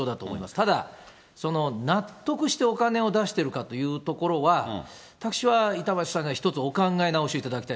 ただ、納得してお金を出しているかというところは、私は板橋さんが一つお考え直しいただきたい。